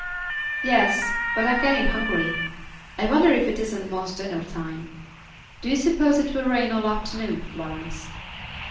"Yes; but I'm getting hungry. I wonder if it isn't most dinner time. Do you suppose it will rain all afternoon, Florence?"